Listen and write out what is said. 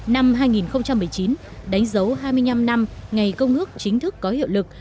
năm hai nghìn một mươi chín đánh dấu hai mươi năm năm ngày công ước chính thức có hiệu lực